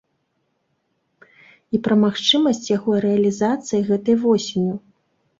І пра магчымасць яго рэалізацыі гэтай восенню.